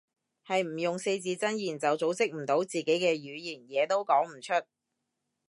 係唔用四字真言就組織唔到自己嘅語言，嘢都講唔出